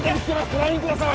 ラインください